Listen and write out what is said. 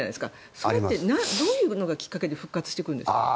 それってどういうのがきっかけで復活してくるんですか？